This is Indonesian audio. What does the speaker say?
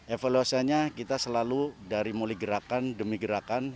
evaluasinya kita selalu dari mulai gerakan demi gerakan